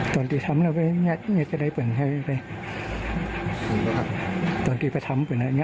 ตอนที่ทำแล้วไปเนี๊ยะจะได้เป็นไหมตอนที่ไปทำเป็นไหน